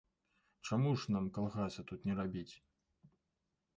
Чаму ж нам калгаса тут не рабіць?